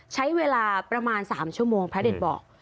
ใช้เวลาประมาณ๓ชั่วโมงพระเด็ดบอก